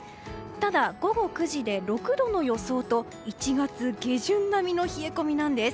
ただ、午後９時で６度の予想と１月下旬並みの冷え込みなんです。